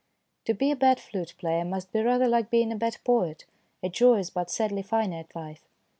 To be a bad flute player must be rather like being a bad poet, a joyous but sadly finite life.